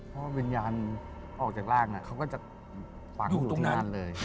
เพราะวิญญาณออกจากรากคั่นก็จะปลังอยู่ที่นั้น